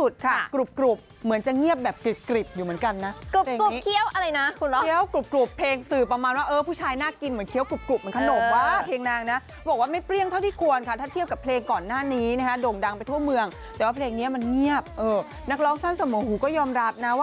ต้องบอกว่าหลังมาบายเตยเน้นแบรนด์เหมือนกันนะ